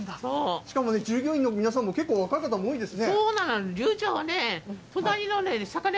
しかもね、従業員の皆さんも結構若い方も多いですね。